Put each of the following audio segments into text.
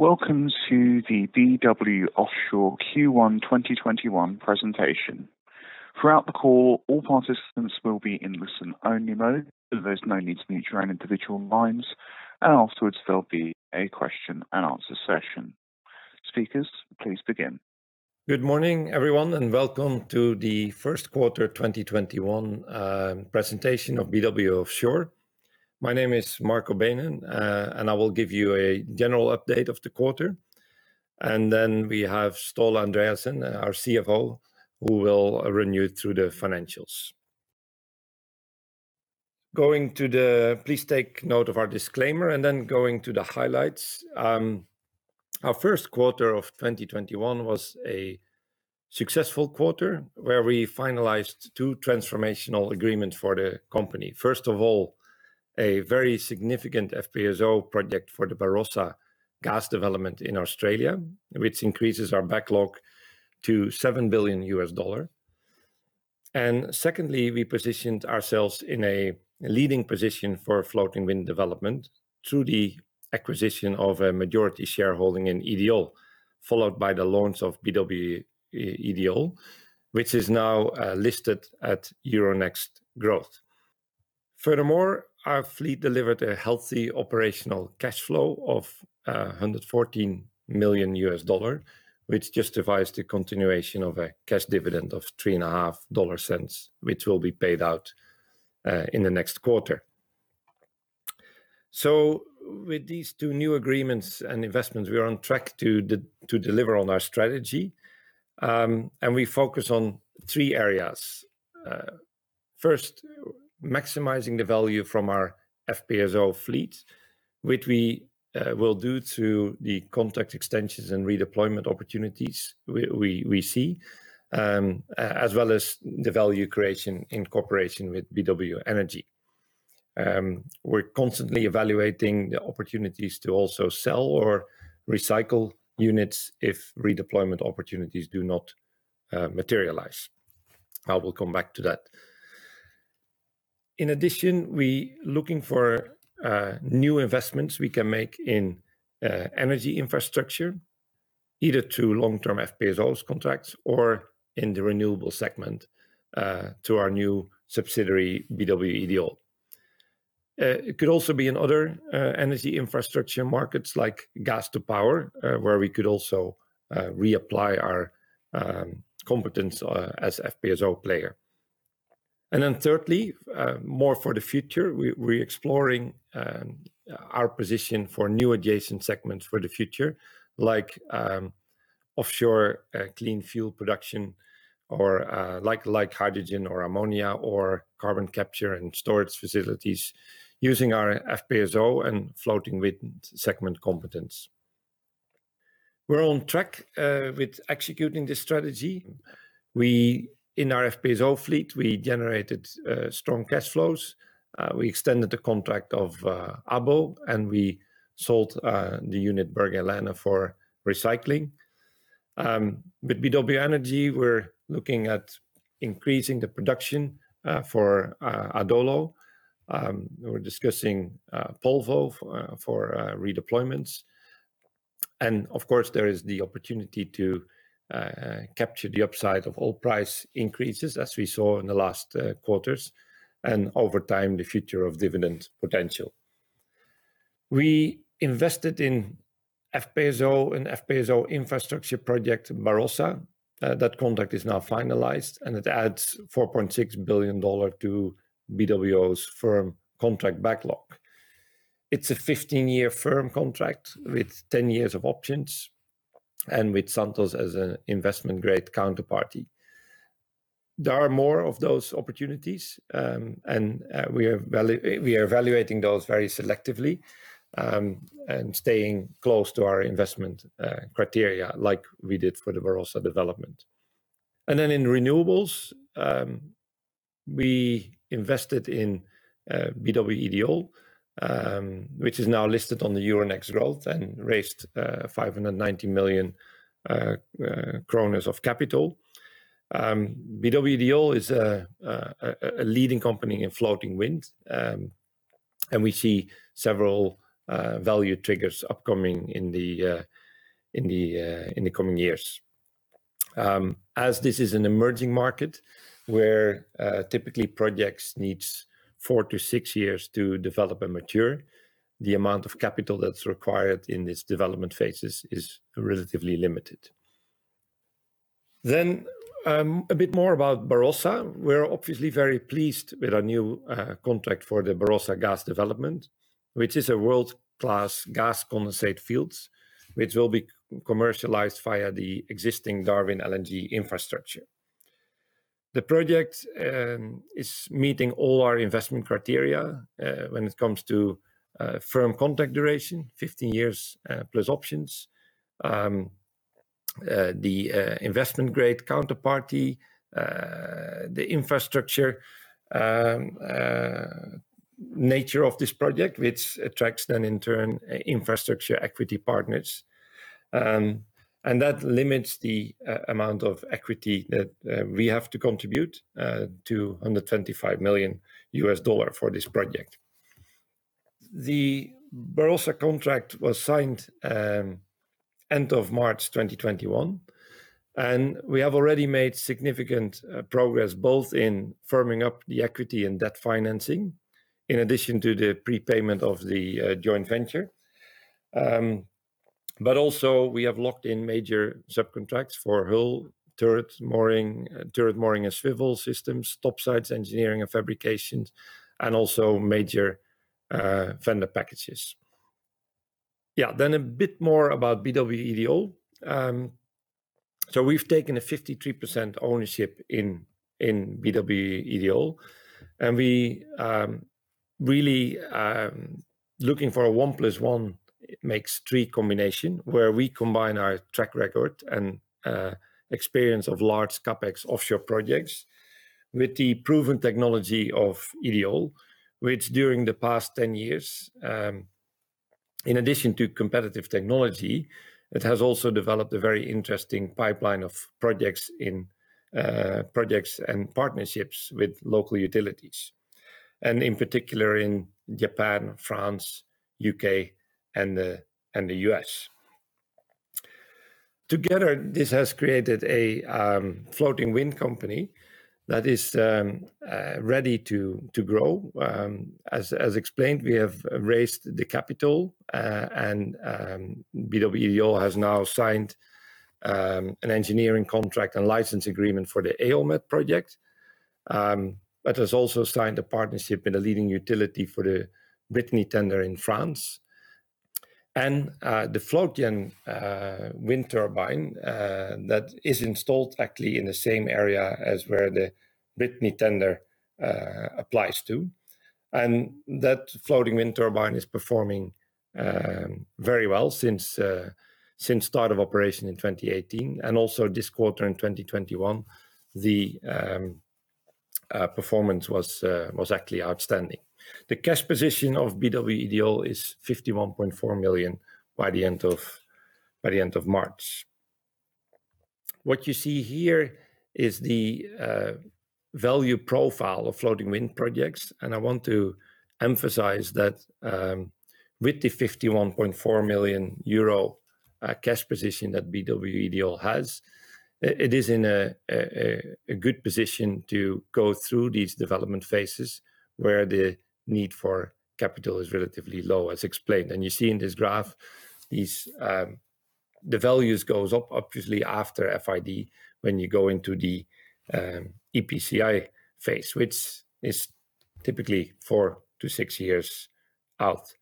Welcome to the BW Offshore Q1 2021 presentation. Throughout the call, all participants will be in listen-only mode, so there's no need to mute your own individual lines, and afterwards there'll be a question and answer session. Speakers, please begin. Good morning, everyone, and welcome to the first quarter 2021 presentation of BW Offshore. My name is Marco Beenen, and I will give you a general update of the quarter, and then we have Ståle Andreassen, our CFO, who will run you through the financials. Please take note of our disclaimer, then going to the highlights. Our first quarter of 2021 was a successful quarter where we finalized two transformational agreements for the company. First of all, a very significant FPSO project for the Barossa gas development in Australia, which increases our backlog to $7 billion. Secondly, we positioned ourselves in a leading position for floating wind development through the acquisition of a majority shareholding in Ideol, followed by the launch of BW Ideol, which is now listed at Euronext Growth. Our fleet delivered a healthy operational cash flow of $114 million, which justifies the continuation of a cash dividend of $0.035, which will be paid out in the next quarter. With these two new agreements and investments, we are on track to deliver on our strategy. We focus on three areas. First, maximizing the value from our FPSO fleet, which we will do through the contract extensions and redeployment opportunities we see, as well as the value creation in cooperation with BW Energy. We're constantly evaluating the opportunities to also sell or recycle units if redeployment opportunities do not materialize. I will come back to that. In addition, we are looking for new investments we can make in energy infrastructure, either through long-term FPSOs contracts or in the renewable segment, to our new subsidiary, BW Ideol. It could also be in other energy infrastructure markets like gas to power, where we could also reapply our competence as FPSO player. Thirdly, more for the future, we're exploring our position for new adjacent segments for the future, like offshore clean fuel production or like hydrogen or ammonia or carbon capture and storage facilities using our FPSO and floating wind segment competence. We're on track with executing this strategy. In our FPSO fleet, we generated strong cash flows. We extended the contract of Aabo, and we sold the unit Berge Helene for recycling. With BW Energy, we're looking at increasing the production for Adolo. We're discussing Polvo for redeployments. Of course, there is the opportunity to capture the upside of oil price increases as we saw in the last quarters and over time the future of dividend potential. We invested in FPSO and FPSO infrastructure project Barossa. That contract is now finalized, and it adds $4.6 billion to BWO's firm contract backlog. It's a 15-year firm contract with 10 years of options and with Santos as an investment-grade counterparty. There are more of those opportunities, and we are evaluating those very selectively, and staying close to our investment criteria like we did for the Barossa development. In renewables, we invested in BW Ideol, which is now listed on the Euronext Growth and raised 590 million kroner of capital. BW Ideol is a leading company in floating wind, and we see several value triggers upcoming in the coming years. As this is an emerging market where typically projects needs four to six years to develop and mature, the amount of capital that's required in these development phases is relatively limited. A bit more about Barossa. We're obviously very pleased with our new contract for the Barossa gas development, which is a world-class gas condensate fields, which will be commercialized via the existing Darwin LNG infrastructure. The project is meeting all our investment criteria when it comes to firm contract duration, 15 years plus options, the investment-grade counterparty, the infrastructure nature of this project, which attracts then in turn infrastructure equity partners. That limits the amount of equity that we have to contribute to $125 million for this project. The Barossa contract was signed end of March 2021, and we have already made significant progress both in firming up the equity and debt financing, in addition to the prepayment of the joint venture. Also we have locked in major subcontracts for hull turret mooring and swivel systems, topsides engineering and fabrication, and also major fender packages. A bit more about BW Ideol. We've taken a 53% ownership in BWO.OL, and we really are looking for a one plus one makes three combination, where we combine our track record and experience of large CapEx offshore projects with the proven technology of EOL, which during the past 10 years, in addition to competitive technology, it has also developed a very interesting pipeline of projects and partnerships with local utilities. In particular in Japan, France, U.K., and the U.S. Together, this has created a floating wind company that is ready to grow. As explained, we have raised the capital, and BWO.OL has now signed an engineering contract and license agreement for the EolMed project, but has also signed a partnership with a leading utility for the Brittany tender in France. The floating wind turbine that is installed actually in the same area as where the Brittany tender applies to. That floating wind turbine is performing very well since start of operation in 2018. Also this quarter in 2021, the performance was actually outstanding. The cash position of BW Ideol is 51.4 million by the end of March. What you see here is the value profile of floating wind projects, and I want to emphasize that with the 51.4 million euro cash position that BW Ideol has, it is in a good position to go through these development phases where the need for capital is relatively low, as explained. You see in this graph, the values goes up obviously after FID, when you go into the EPCI phase, which is typically four to six years out.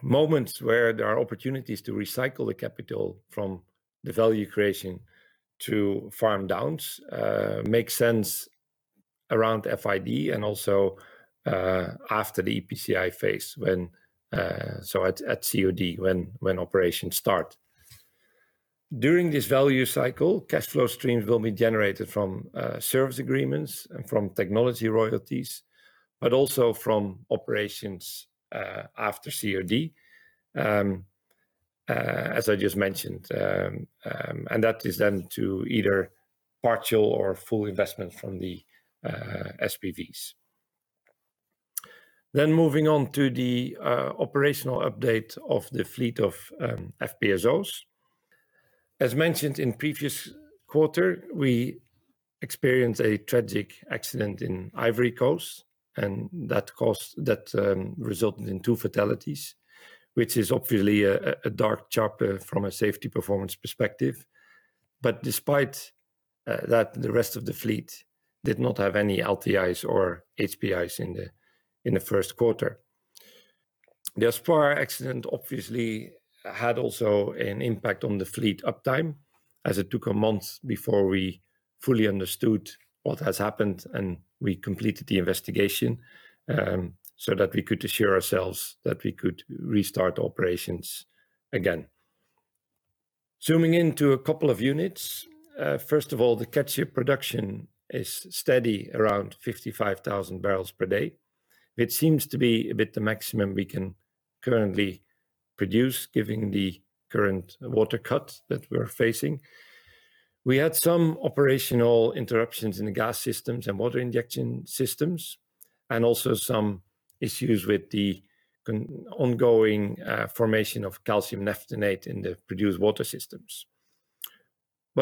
Moments where there are opportunities to recycle the capital from the value creation to farm downs makes sense around FID and also after the EPCI phase, so at COD when operations start. During this value cycle, cash flow streams will be generated from service agreements and from technology royalties, but also from operations after COD, as I just mentioned, and that is then to either partial or full investment from the SPVs. Moving on to the operational update of the fleet of FPSOs. As mentioned in previous quarter, we experienced a tragic accident in Ivory Coast, and that resulted in two fatalities, which is obviously a dark chapter from a safety performance perspective. Despite that, the rest of the fleet did not have any LTIs or HPIs in the first quarter. The CDSM accident obviously had also an impact on the fleet uptime, as it took a month before we fully understood what has happened and we completed the investigation, so that we could assure ourselves that we could restart operations again. Zooming into a couple of units. First of all, the Catcher production is steady around 55,000 barrels per day, which seems to be a bit the maximum we can currently produce given the current water cuts that we're facing. We had some operational interruptions in gas systems and water injection systems, and also some issues with the ongoing formation of calcium naphthenate in the produced water systems.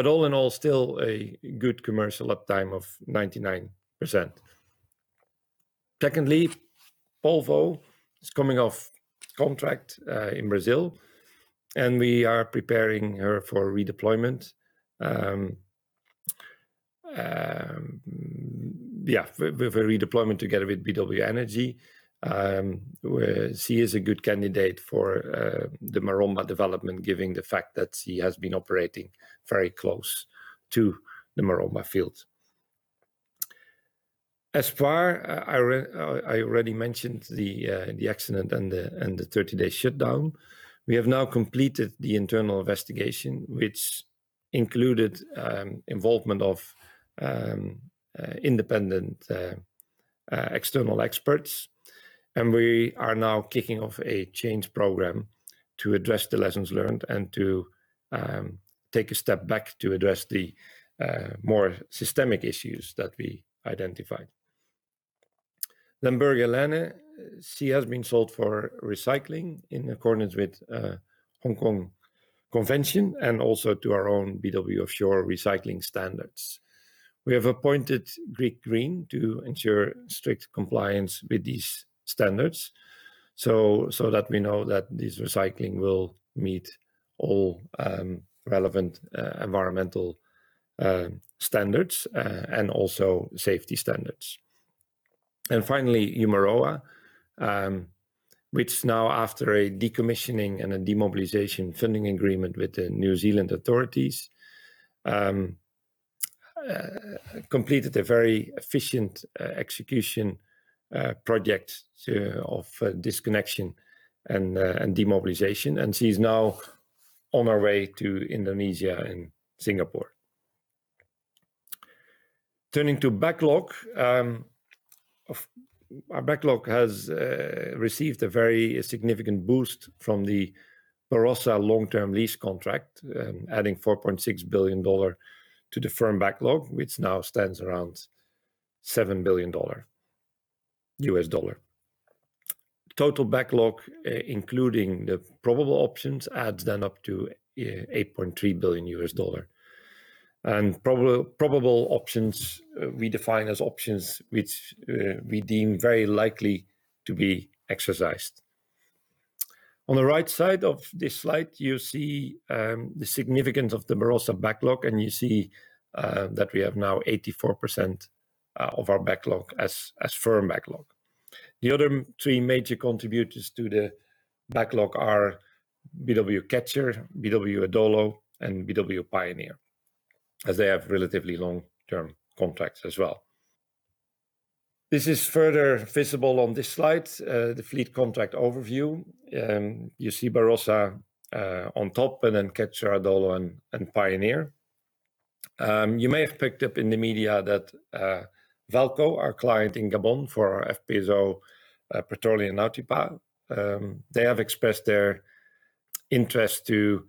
All in all, still a good commercial uptime of 99%. Secondly, Polvo is coming off contract in Brazil, and we are preparing her for redeployment together with BW Energy. She is a good candidate for the Maromba development given the fact that she has been operating very close to the Maromba field. Espoir, I already mentioned the accident and the 30-day shutdown. We have now completed the internal investigation, which included involvement of independent external experts. We are now kicking off a change program to address the lessons learned and to take a step back to address the more systemic issues that we identified. Berge Helene, she has been sold for recycling in accordance with Hong Kong Convention, and also to our own BW Offshore recycling standards. We have appointed Grieg Green to ensure strict compliance with these standards, so that we know that this recycling will meet all relevant environmental standards and also safety standards. Finally, Umuroa, which now after a decommissioning and a demobilization funding agreement with the New Zealand authorities, completed a very efficient execution project of disconnection and demobilization, and she's now on her way to Indonesia and Singapore. Turning to backlog. Our backlog has received a very significant boost from the Barossa long-term lease contract, adding $4.6 billion to the firm backlog, which now stands around $7 billion US dollar. Total backlog, including the probable options, adds then up to $8.3 billion US dollar and probable options we define as options which we deem very likely to be exercised. On the right side of this slide, you see the significance of the Barossa backlog, and you see that we have now 84% of our backlog as firm backlog. The other three major contributors to the backlog are BW Catcher, BW Adolo, and BW Pioneer, as they have relatively long-term contracts as well. This is further visible on this slide, the fleet contract overview, and you see Barossa on top and then Catcher, Adolo and Pioneer. You may have picked up in the media that VAALCO, our client in Gabon for our FPSO, Petróleo Nautipa, they have expressed their interest to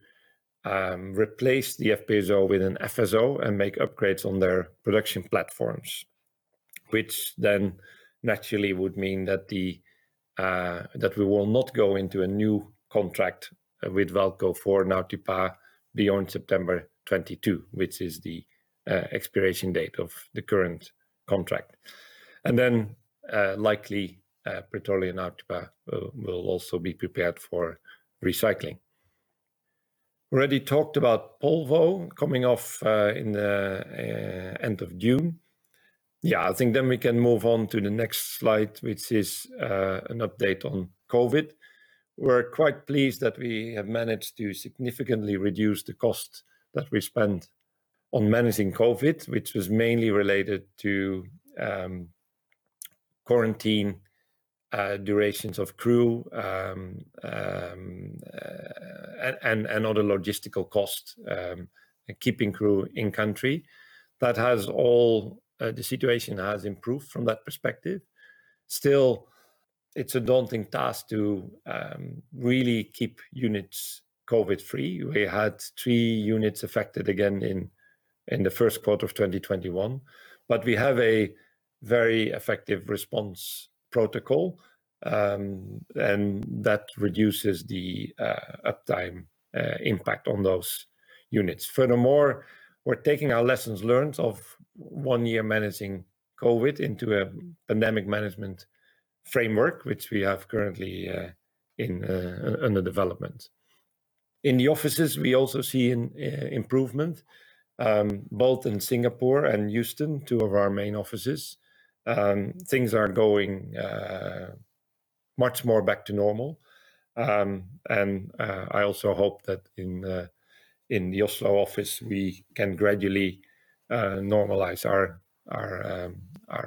replace the FPSO with an FSO and make upgrades on their production platforms, which then naturally would mean that we will not go into a new contract with VAALCO for Nautipa beyond September 2022, which is the expiration date of the current contract. Then likely Petróleo Nautipa will also be prepared for recycling. Already talked about Polvo coming off in the end of June. Yeah, I think we can move on to the next slide, which is an update on COVID. We're quite pleased that we have managed to significantly reduce the cost that we spent on managing COVID, which was mainly related to quarantine durations of crew and other logistical costs keeping crew in country. The situation has improved from that perspective. Still, it's a daunting task to really keep 3 units COVID-free. We had 3 units affected again in the first quarter of 2021, but we have a very effective response protocol, and that reduces the uptime impact on those units. Furthermore, we're taking our lessons learned of one year managing COVID into a pandemic management framework, which we have currently in under development. In the offices, we also see improvement, both in Singapore and Houston, two of our main offices. Things are going much more back to normal. I also hope that in the Oslo office, we can gradually normalize our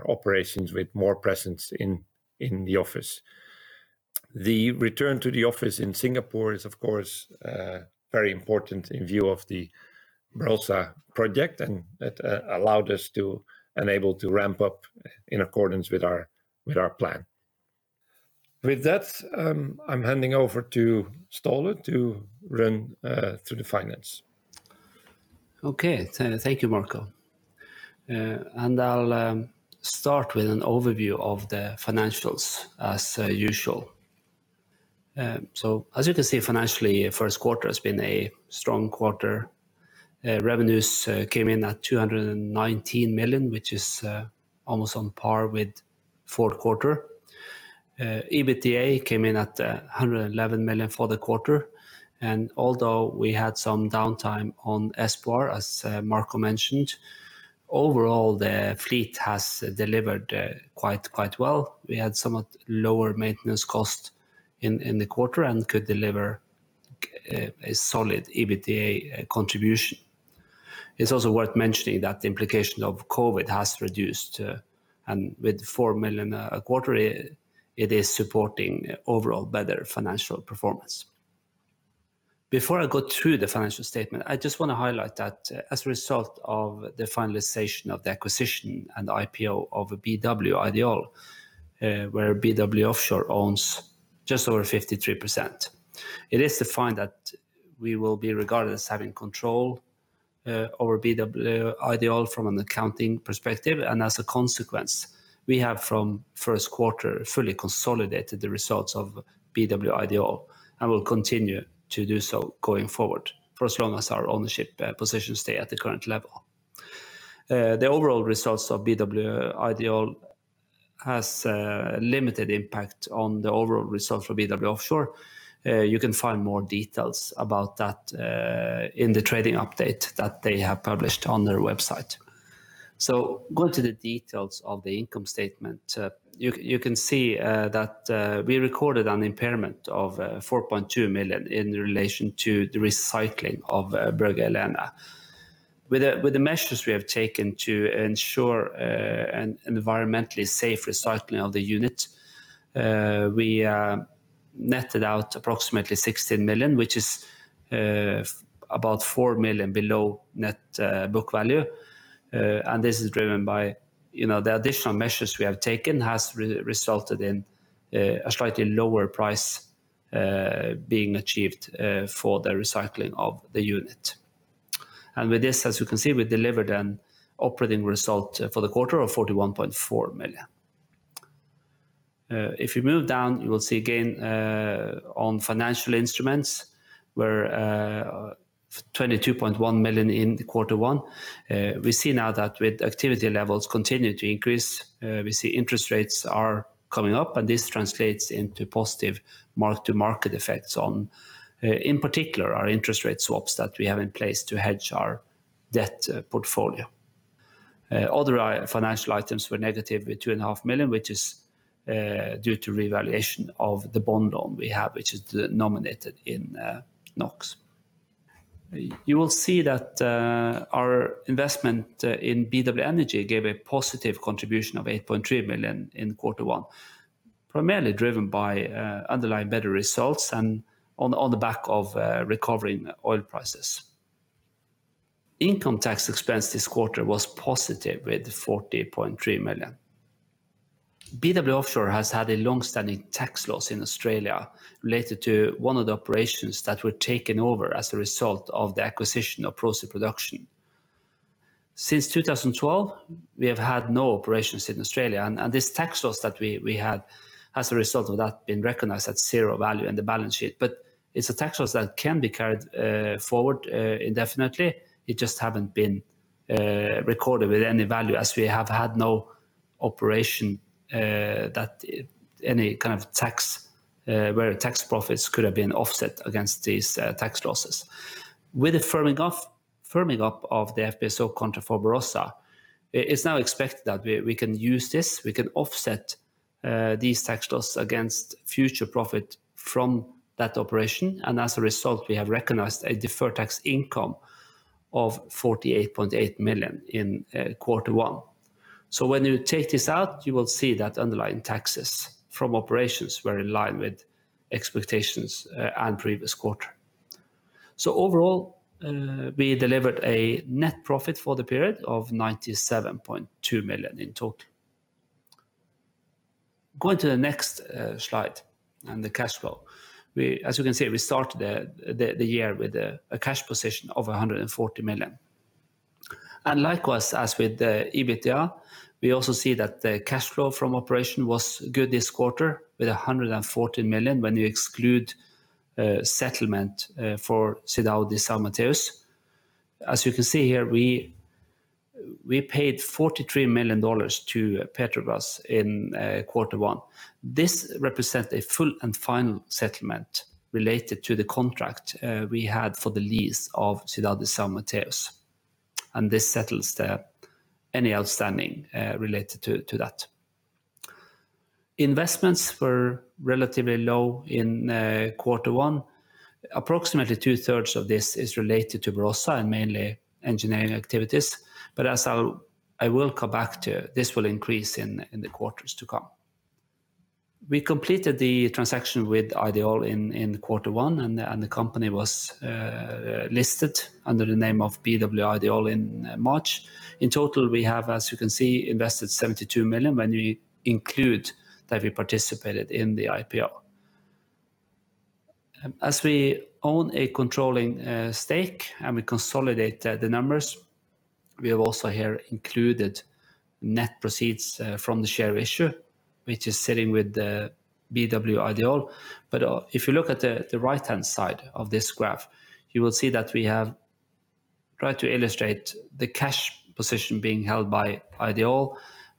operations with more presence in the office. The return to the office in Singapore is, of course, very important in view of the Barossa project, and that allowed us to enable to ramp up in accordance with our plan. With that, I am handing over to Ståle to run through the finance. Thank you, Marco. I'll start with an overview of the financials as usual. As you can see, financially, first quarter has been a strong quarter. Revenues came in at $219 million, which is almost on par with fourth quarter. EBITDA came in at $111 million for the quarter. Although we had some downtime on Espoir, as Marco mentioned, overall the fleet has delivered quite well. We had somewhat lower maintenance cost in the quarter and could deliver a solid EBITDA contribution. It's also worth mentioning that the implication of COVID has reduced and with $4 million a quarter it is supporting overall better financial performance. Before I go through the financial statement, I just want to highlight that as a result of the finalization of the acquisition and IPO of BW Ideol, where BW Offshore owns just over 53%. It is defined that we will be regarded as having control over BW Ideol from an accounting perspective, and as a consequence, we have from first quarter fully consolidated the results of BW Ideol and will continue to do so going forward for as long as our ownership positions stay at the current level. The overall results of BW Ideol has a limited impact on the overall results for BW Offshore. You can find more details about that in the trading update that they have published on their website. Going to the details of the income statement, you can see that we recorded an impairment of $4.2 million in relation to the recycling of Berge Helene. With the measures we have taken to ensure an environmentally safe recycling of the unit, we netted out approximately $60 million, which is about $4 million below net book value. This is driven by the additional measures we have taken has resulted in a slightly lower price being achieved for the recycling of the unit. With this, as you can see, we delivered an operating result for the quarter of $41.4 million. If you move down, you will see again on financial instruments where $22.1 million in quarter one, we see now that with activity levels continuing to increase, we see interest rates are coming up and this translates into positive mark-to-market effects on, in particular, our interest rate swaps that we have in place to hedge our debt portfolio. Other financial items were negative at $ two and a half million, which is due to revaluation of the bond loan we have, which is nominated in NOKs. You will see that our investment in BW Energy gave a positive contribution of $8.3 million in quarter one, primarily driven by underlying better results and on the back of recovering oil prices. Income tax expense this quarter was positive with $40.3 million. BW Offshore has had a long-standing tax loss in Australia related to one of the operations that were taken over as a result of the acquisition of Prosafe Production. Since 2012, we have had no operations in Australia, this tax loss that we had as a result of that been recognized at zero value in the balance sheet. It's a tax loss that can be carried forward indefinitely. It just haven't been recorded with any value as we have had no operation where tax profits could have been offset against these tax losses. With the firming up of the FPSO contract for Barossa, it is now expected that we can use this, we can offset these tax loss against future profit from that operation. As a result, we have recognized a deferred tax income of $48.8 million in quarter one. When you take this out, you will see that underlying taxes from operations were in line with expectations and previous quarter. Overall, we delivered a net profit for the period of $97.2 million in total. Going to the next slide and the cash flow. As you can see, we started the year with a cash position of $140 million. Likewise, as with the EBITDA, we also see that the cash flow from operation was good this quarter with $140 million when you exclude settlement for Cidade de São Mateus. As you can see here, we paid $43 million to Petrobras in quarter one. This represents a full and final settlement related to the contract we had for the lease of Cidade de São Mateus, and this settles any outstanding related to that. Investments were relatively low in quarter one. Approximately two-thirds of this is related to Barossa and mainly engineering activities. As I will come back to, this will increase in the quarters to come. We completed the transaction with Ideol in quarter one, and the company was listed under the name of BW Ideol in March. In total, we have, as you can see, invested $72 million when you include that we participated in the IPO. As we own a controlling stake and we consolidate the numbers, we have also here included net proceeds from the share issue, which is sitting with the BW Ideol. If you look at the right-hand side of this graph, you will see that we have tried to illustrate the cash position being held by Ideol.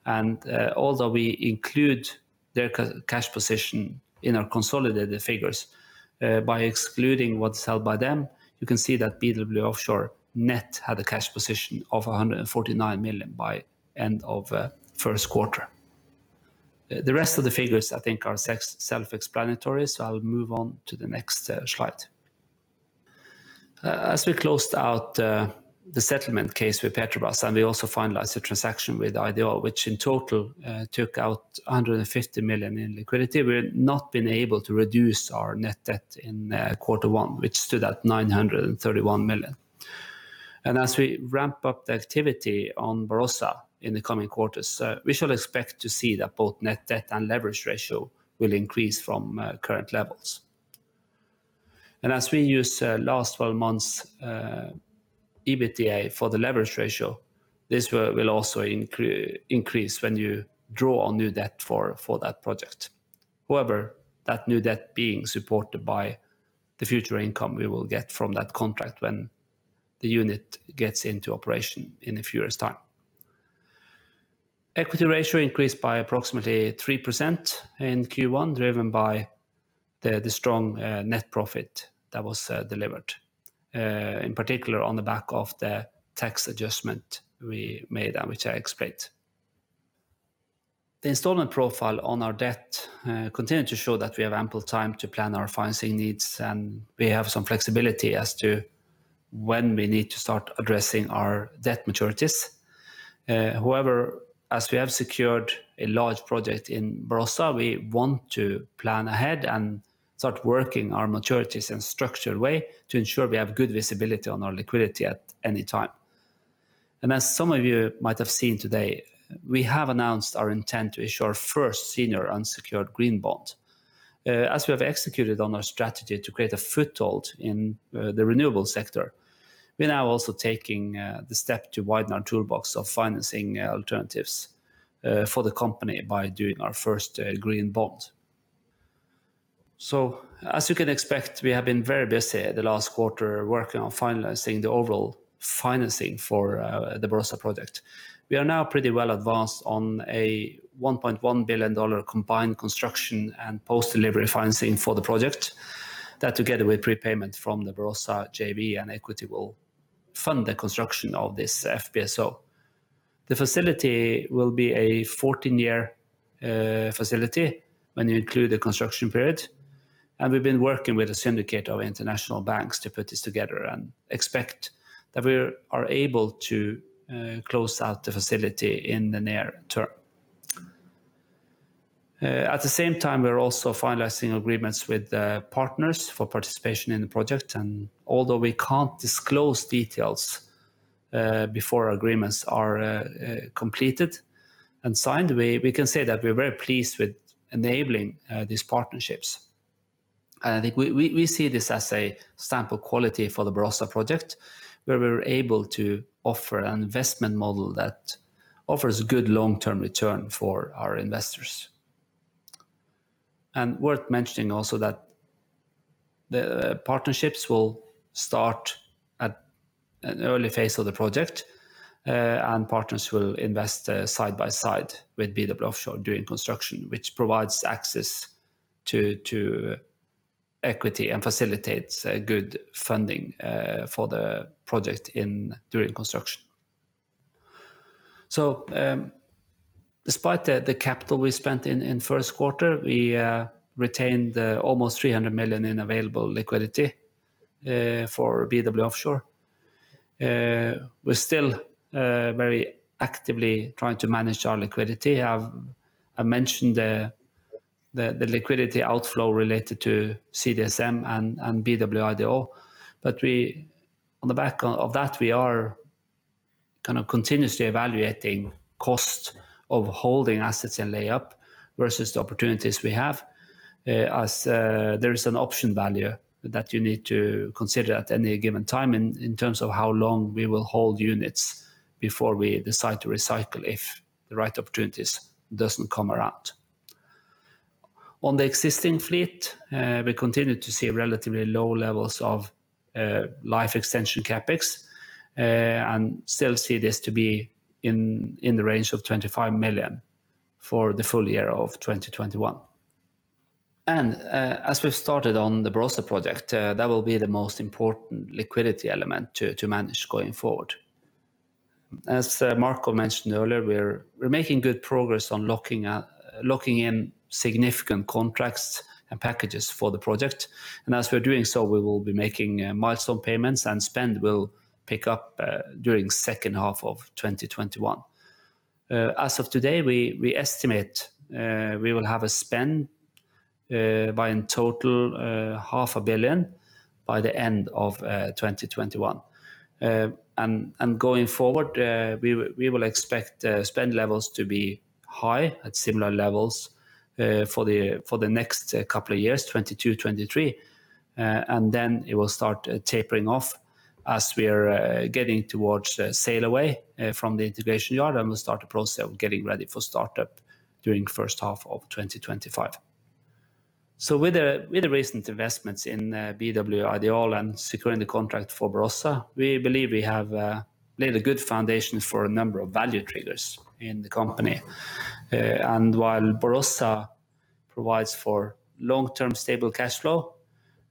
Although we include their cash position in our consolidated figures, by excluding what's held by them, you can see that BW Offshore net had a cash position of $149 million by end of first quarter. The rest of the figures I think are self-explanatory. I'll move on to the next slide. As we closed out the settlement case with Petrobras and we also finalized the transaction with Ideol, which in total took out $150 million in liquidity. We have not been able to reduce our net debt in quarter one, which stood at $931 million. As we ramp up the activity on Barossa in the coming quarters, we shall expect to see that both net debt and leverage ratio will increase from current levels. As we use last 12 months EBITDA for the leverage ratio, this will also increase when you draw on new debt for that project. However, that new debt being supported by the future income we will get from that contract when the unit gets into operation in the nearest time. Equity ratio increased by approximately 3% in Q1, driven by the strong net profit that was delivered, in particular on the back of the tax adjustment we made and which I explained. The installment profile on our debt continued to show that we have ample time to plan our financing needs, and we have some flexibility as to when we need to start addressing our debt maturities. However, as we have secured a large project in Barossa, we want to plan ahead and start working our maturities in a structured way to ensure we have good visibility on our liquidity at any time. As some of you might have seen today, we have announced our intent to issue our first senior unsecured green bond. As we have executed on our strategy to create a foothold in the renewable sector, we are now also taking the step to widen our toolbox of financing alternatives for the company by doing our first green bond. As you can expect, we have been very busy at the last quarter working on finalizing the overall financing for the Barossa project. We are now pretty well advanced on a $1.1 billion combined construction and post-delivery financing for the project that together with prepayment from the Barossa JV and equity will fund the construction of this FPSO. The facility will be a 14-year facility when you include the construction period. We've been working with a syndicate of international banks to put this together and expect that we are able to close out the facility in the near term. At the same time, we are also finalizing agreements with partners for participation in the project. Although we can't disclose details before agreements are completed and signed, we can say that we are very pleased with enabling these partnerships. We see this as a stamp of quality for the Barossa project, where we are able to offer an investment model that offers good long-term return for our investors. Worth mentioning also that the partnerships will start at an early phase of the project, and partners will invest side by side with BW Offshore during construction, which provides access to equity and facilitates good funding for the project during construction. Despite the capital we spent in first quarter, we retained almost $300 million in available liquidity for BW Offshore. We're still very actively trying to manage our liquidity. I mentioned the liquidity outflow related to CDSM and BW Ideol, but on the back of that, we are kind of continuously evaluating cost of holding assets in layup versus the opportunities we have as there is an option value that you need to consider at any given time in terms of how long we will hold units before we decide to recycle if the right opportunities doesn't come around. On the existing fleet, we continue to see relatively low levels of life extension CapEx and still see this to be in the range of $25 million for the full year of 2021. As we started on the Barossa project, that will be the most important liquidity element to manage going forward. As Marco mentioned earlier, we're making good progress on locking in significant contracts and packages for the project. As we're doing so, we will be making milestone payments and spend will pick up during second half of 2021. As of today, we estimate we will have a spend by in total $ half a billion by the end of 2021. Going forward, we will expect spend levels to be high at similar levels for the next couple of years, 2022, 2023. It will start tapering off as we are getting towards sail away from the integration yard and we start the process of getting ready for startup during first half of 2025. With the recent investments in BW Ideol and securing the contract for Barossa, we believe we have laid a good foundation for a number of value triggers in the company. While Barossa provides for long-term stable cash flow,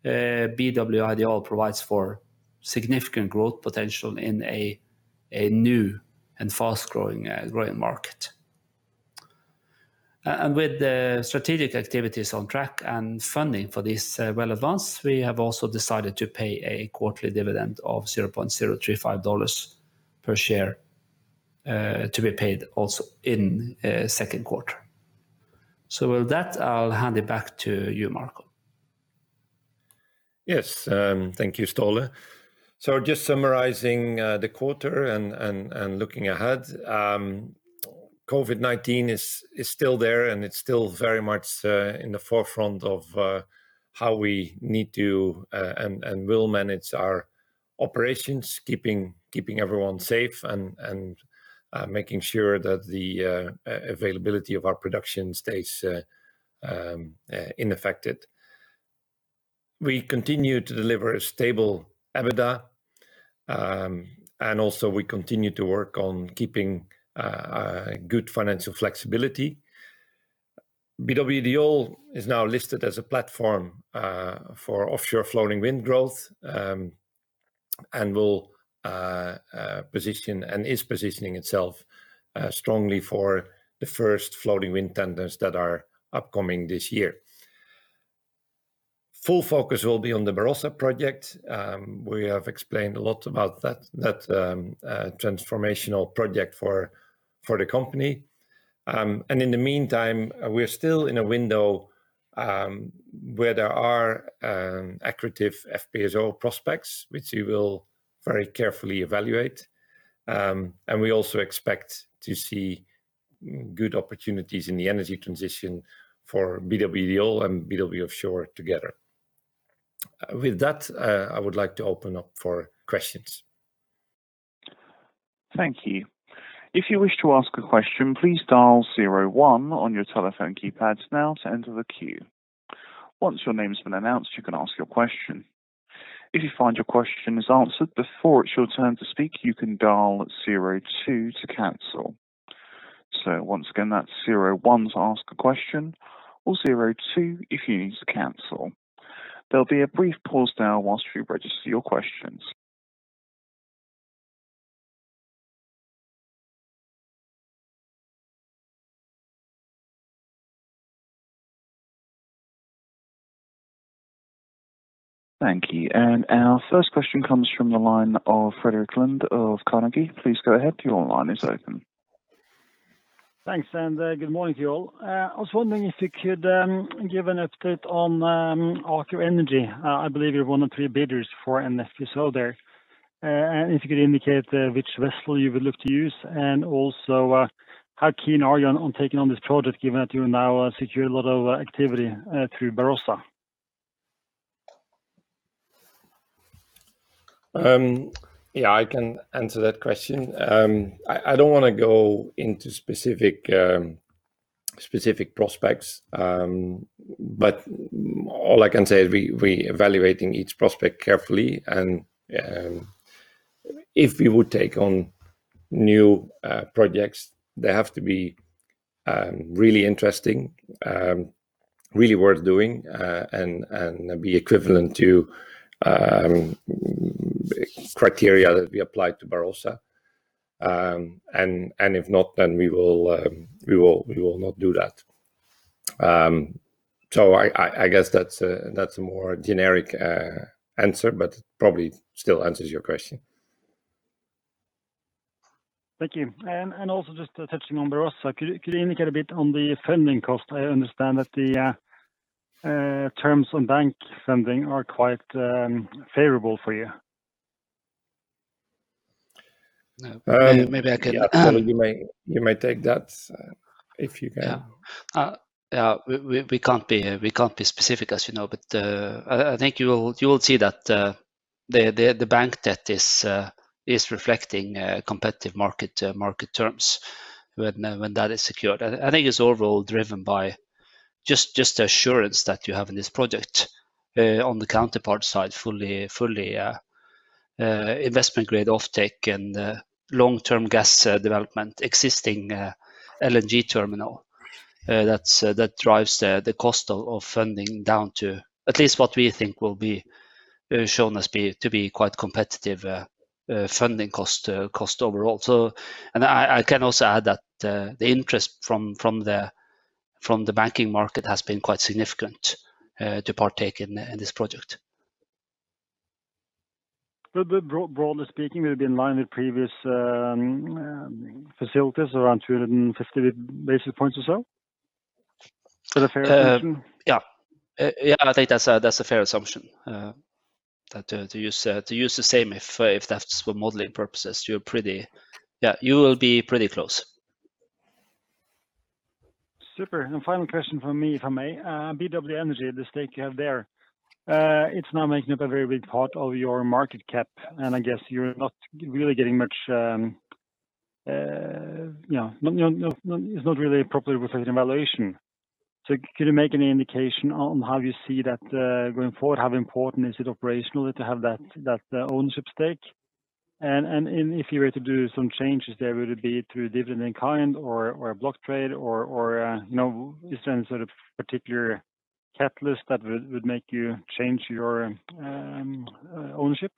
BW Ideol provides for significant growth potential in a new and fast-growing market. With the strategic activities on track and funding for this relevance, we have also decided to pay a quarterly dividend of $0.035 per share to be paid also in the second quarter. With that, I'll hand it back to you, Marco. Yes. Thank you, Ståle. Just summarizing the quarter and looking ahead, COVID-19 is still there, and it is still very much in the forefront of how we need to and will manage our operations, keeping everyone safe and making sure that the availability of our production stays unaffected. We continue to deliver a stable EBITDA, and also we continue to work on keeping good financial flexibility. BW Ideol is now listed as a platform for offshore floating wind growth and is positioning itself strongly for the first floating wind tenders that are upcoming this year. Full focus will be on the Barossa project. We have explained a lot about that transformational project for the company. In the meantime, we are still in a window where there are accretive FPSO prospects, which we will very carefully evaluate. We also expect to see good opportunities in the energy transition for BW Ideol and BW Offshore together. With that, I would like to open up for questions. Our first question comes from the line of Fredrik Lind of Carnegie. Please go ahead, your line is open. Thanks, good morning to you all. I was wondering if you could give an update on Aker Energy. I believe you're one of three bidders for an FPSO there. If you could indicate which vessel you would look to use, and also how keen are you on taking on this project, given that you now secure a lot of activity through Barossa? Yeah, I can answer that question. I don't want to go into specific prospects, but all I can say, we're evaluating each prospect carefully, and if we would take on new projects, they have to be really interesting, really worth doing, and be equivalent to criteria that we applied to Barossa. If not, we will not do that. I guess that's a more generic answer, but probably still answers your question. Thank you. Also just touching on Barossa, could you indicate a bit on the funding cost? I understand that the terms on bank funding are quite favorable for you. Maybe I can- Yeah. Ståle, you may take that if you can. Yeah. We can't be specific, as you know, but I think you will see that the bank debt is reflecting competitive market terms when that is secured. I think it's overall driven by just the assurance that you have in this project on the counterpart side, fully investment-grade offtake and long-term gas development, existing LNG terminal. That drives the cost of funding down to at least what we think will be shown to be quite competitive funding cost overall. I can also add that the interest from the banking market has been quite significant to partake in this project. Broadly speaking, it would be in line with previous facilities, around 250 basis points or so? Fair assumption? Yeah. I think that's a fair assumption. To use the same, if that's for modeling purposes, you will be pretty close. Super. Final question from me, if I may. BW Energy, the stake you have there, it's now making up a very big part of your market cap, and it's not really appropriately reflecting valuation. Could you make any indication on how you see that going forward? How important is it operationally to have that ownership stake? If you were to do some changes there, would it be through dividend in kind or a block trade or no? Is there any sort of particular catalyst that would make you change your ownership?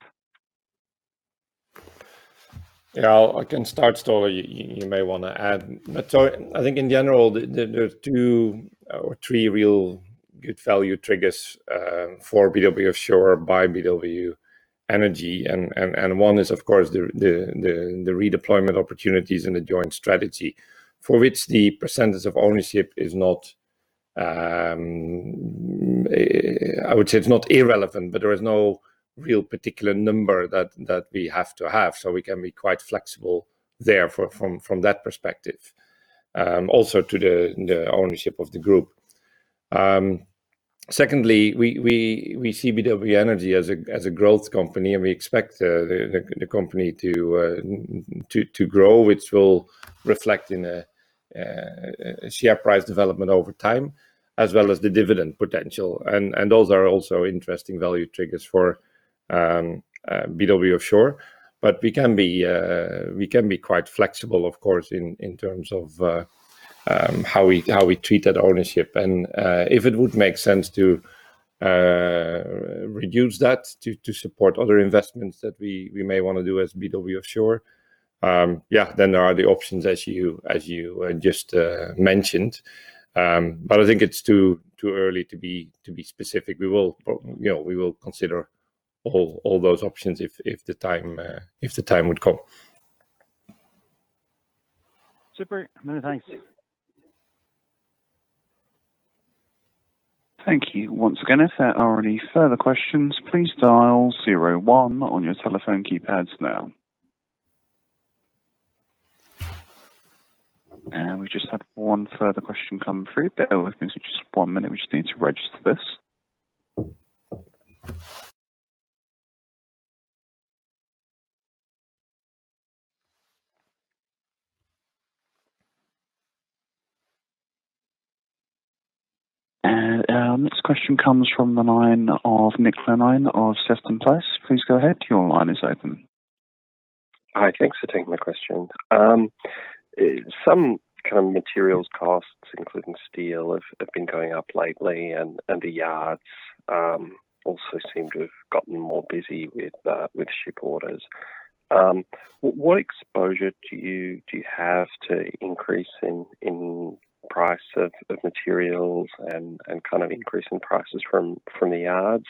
Yeah, I can start. Ståle, you may want to add. I think in general, there are two or three real good value triggers for BW Offshore by BW Energy, one is, of course, the redeployment opportunities in the joint strategy. For which the percentage of ownership is not irrelevant, but there is no real particular number that we have to have, so we can be quite flexible there from that perspective. Also to the ownership of the group. Secondly, we see BW Energy as a growth company, and we expect the company to grow, which will reflect in a share price development over time, as well as the dividend potential. Those are also interesting value triggers for BW Offshore. We can be quite flexible, of course, in terms of how we treat that ownership. If it would make sense to reduce that to support other investments that we may want to do as BW Offshore, then there are the options as you just mentioned. I think it's too early to be specific. We will consider all those options if the time would come. Super. No, thank you. Thank you. Once again, if there are any further questions, please dial 01 on your telephone keypads now. We just had one further question come through, but bear with me just one minute, we just need to register this. This question comes from the line of Nick Line of Stephens Inc.. Hi. Thanks for taking my question. Some materials costs, including steel, have been going up lately, and the yards also seem to have gotten more busy with ship orders. What exposure do you have to increase in price of materials and increase in prices from the yards?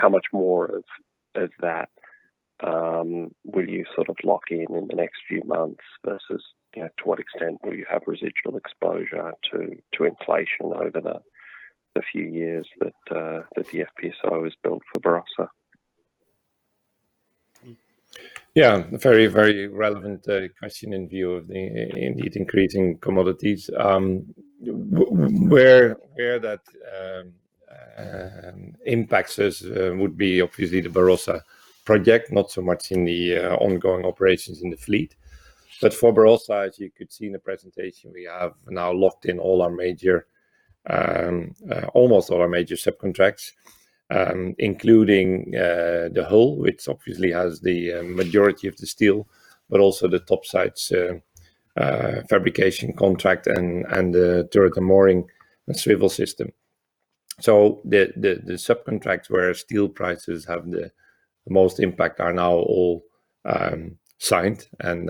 How much more of that will you lock in the next few months versus to what extent will you have residual exposure to inflation over the few years that the FPSO is built for Barossa? Yeah. A very relevant question in view of indeed increasing commodities. Where that impacts us would be obviously the Barossa project, not so much in the ongoing operations in the fleet. For Barossa, as you could see in the presentation, we have now locked in almost all our major subcontracts, including the hull, which obviously has the majority of the steel, but also the topsides fabrication contract and the turret, the mooring, and swivel system. The subcontract where steel prices have the most impact are now all signed, and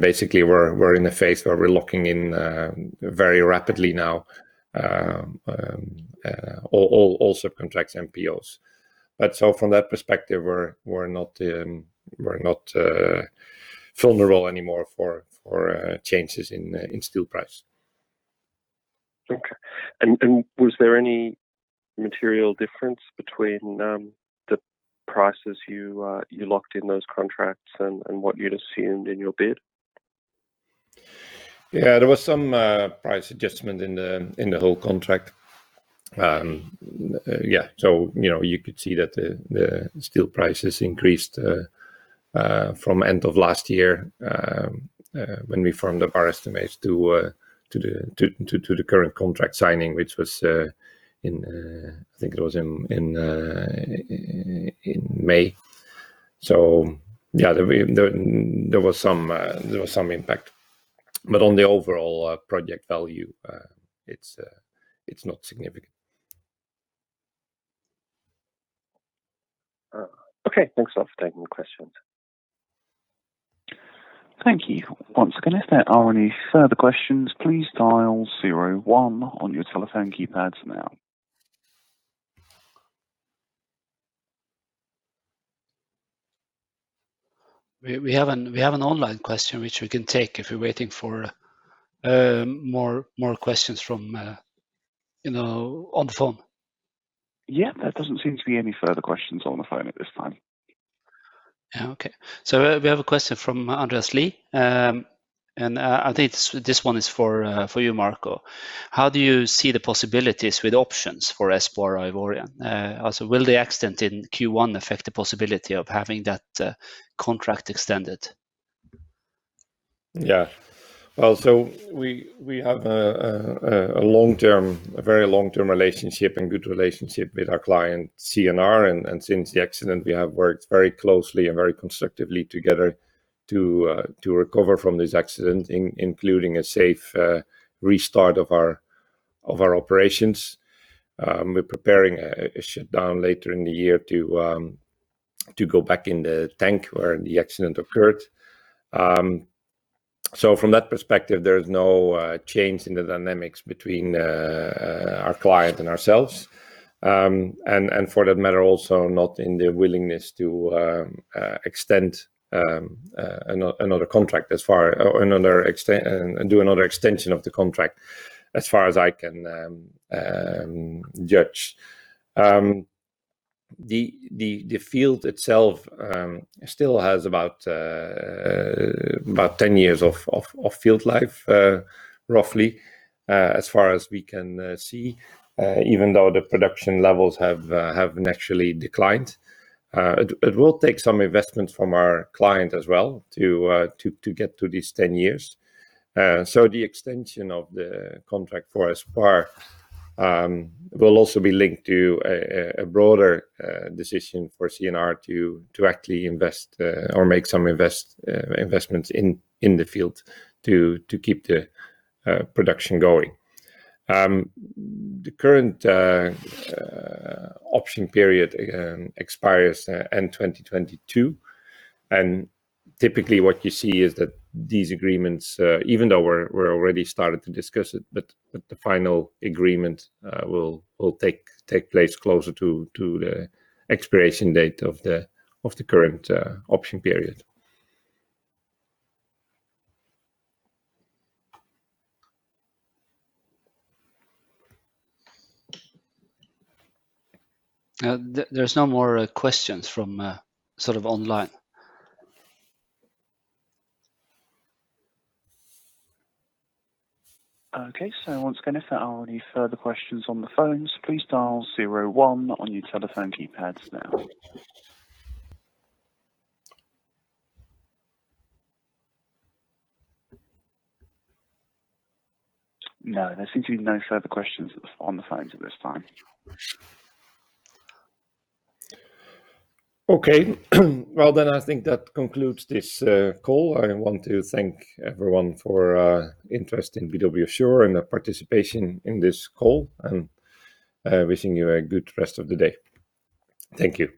basically we're in the phase where we're locking in very rapidly now all subcontracts NPOs. From that perspective, we're not vulnerable anymore for changes in steel price. Okay. Was there any material difference between the prices you locked in those contracts and what you'd assumed in your bid? There was some price adjustment in the whole contract. You could see that the steel prices increased from end of last year when we formed our estimates to the current contract signing, which I think it was in May. There was some impact, but on the overall project value, it's not significant. Okay. Thanks a lot for taking the question. Thank you. Once again, if there are any further questions, please dial zero one on your telephone keypads now. We have an online question which we can take if we're waiting for more questions on the phone. Yeah, there doesn't seem to be any further questions on the phone at this time. Okay. We have a question from Andreas lee, and I think this one is for you, Marco. How do you see the possibilities with options for Espoir Ivoirien? Will the accident in Q1 affect the possibility of having that contract extended? Well, we have a very long-term relationship and good relationship with our client, CNR, and since the accident, we have worked very closely and very constructively together to recover from this accident, including a safe restart of our operations. We're preparing a shutdown later in the year to go back in the tank where the accident occurred. From that perspective, there is no change in the dynamics between our client and ourselves, and for that matter, also not in the willingness to extend another contract or do another extension of the contract, as far as I can judge. The field itself still has about 10 years of field life, roughly, as far as we can see, even though the production levels have naturally declined. It will take some investment from our client as well to get to these 10 years. The extension of the contract for Espoir will also be linked to a broader decision for CNR to actually invest or make some investments in the field to keep the production going. The current option period expires end 2022, and typically what you see is that these agreements, even though we already started to discuss it, but the final agreement will take place closer to the expiration date of the current option period There's no more questions from online. Okay, once again, if there are any further questions on the phones, please dial zero one on your telephone keypads now. No, there seem to be no further questions on the phones at this time. Okay. I think that concludes this call. I want to thank everyone for interest in BW Offshore and their participation in this call, and wishing you a good rest of the day. Thank you.